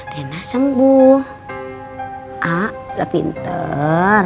ah udah pintar